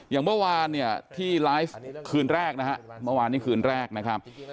อย่างเมื่อวานที่ไลฟ์คืนแรกนะครับ